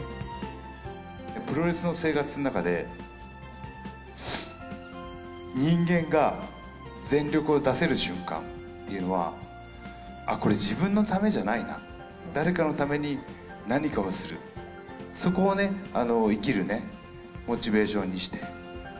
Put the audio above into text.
プロレスの生活の中で、人間が全力を出せる瞬間っていうのは、あっ、これ、自分のためじゃないな、誰かのために何かをする、そこを生きるモチベーションにして。